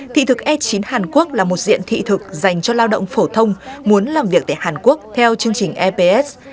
thị thực e chín hàn quốc là một diện thị thực dành cho lao động phổ thông muốn làm việc tại hàn quốc theo chương trình eps